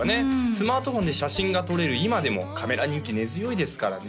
スマートフォンで写真が撮れる今でもカメラ人気根強いですからね